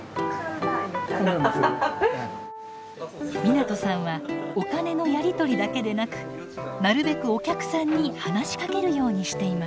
湊さんはお金のやり取りだけでなくなるべくお客さんに話しかけるようにしています。